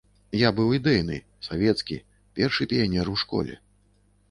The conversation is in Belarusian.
Я быў ідэйны, савецкі, першы піянер у школе.